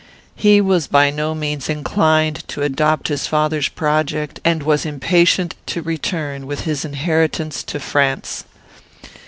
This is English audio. He was by no means inclined to adopt his father's project, and was impatient to return with his inheritance to France.